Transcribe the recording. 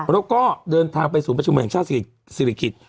แล้วก็เดินทางไปสิ่งประชุมหวันชาติศิริกิจ